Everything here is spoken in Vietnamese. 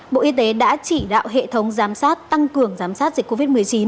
bộ y tế đã chỉ đạo hệ thống giám sát tăng cường giám sát dịch covid một mươi chín